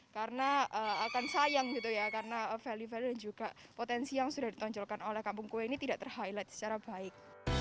karena akan sayang gitu ya karena value value dan juga potensi yang sudah ditonjolkan oleh kampung kue ini tidak ter highlight secara baik